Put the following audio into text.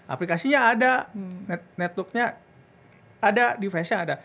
aplikasinya ada networknya ada device nya ada